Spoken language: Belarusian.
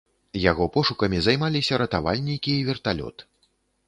Яго пошукамі займаліся ратавальнікі і верталёт.